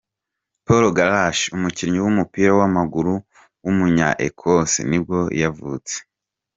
Paul Gallacher, umukinnyi w’umupira w’amaguru w’umunya-Ecosse nibwo yavutse.